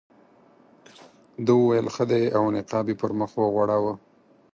ده وویل ښه دی او نقاب یې پر مخ وغوړاوه.